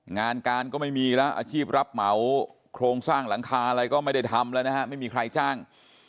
งานการก็ไม่มีแล้วอาชีพรับเหมาโครงสร้างหลังคาอะไรก็ไม่ได้ทำแล้วนะฮะไม่มีใครจ้าง